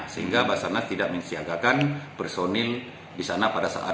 sehingga basarnas tidak mensiagakan personil di sana